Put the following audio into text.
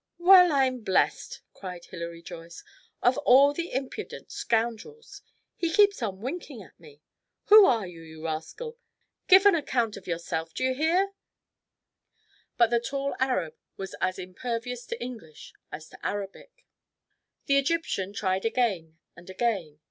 "Well, I'm blessed!" cried Hilary Joyce. "Of all the impudent scoundrels! He keeps on winking at me. Who are you, you rascal? Give an account of yourself! D'ye hear?" But the tall Arab was as impervious to English as to Arabic. The Egyptian tried again and again.